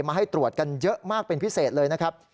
มาให้ตรวจกันเยอะมากเป็นพิเศษเลยนะครับ